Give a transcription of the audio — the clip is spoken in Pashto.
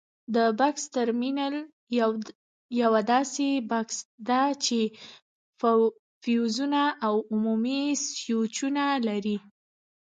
د بکس ترمینل یوه داسې بکس ده چې فیوزونه او عمومي سویچونه لري.